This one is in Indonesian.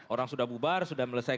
orang sudah bubar sudah melesai